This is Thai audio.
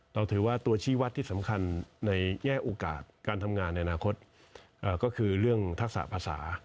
เราถือว่าตัวชีวัตรที่สำคัญในแง่โอกาสการทำงานในอนาคตก็คือเรื่องทักษะภาษา